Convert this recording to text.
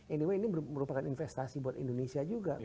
anyway ini merupakan investasi buat indonesia juga